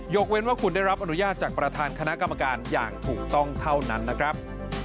เว้นว่าคุณได้รับอนุญาตจากประธานคณะกรรมการอย่างถูกต้องเท่านั้นนะครับ